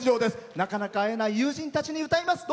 なかなか会えない友人たちに歌います。